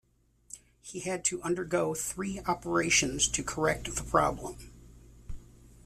He had to undergo three operations to correct the problem.